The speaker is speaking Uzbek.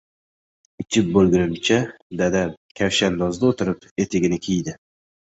ichib bo‘lgunimcha dadam kavshandozda о‘drib etigini kiydi.